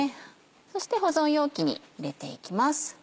そして保存容器に入れていきます。